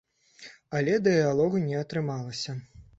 Але дыялогу не атрымалася.